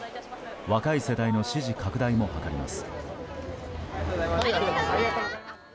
若い世代の支持拡大も図ります。